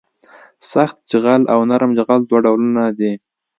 سخت جغل او نرم جغل دوه ډولونه دي